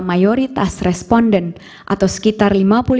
mayoritas responden atau sekitar lima puluh lima tujuh